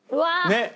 ねっ！